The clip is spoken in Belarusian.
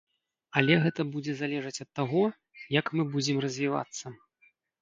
Але гэта будзе залежаць ад таго, як мы будзем развівацца.